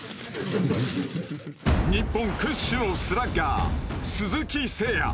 日本屈指のスラッガー鈴木誠也。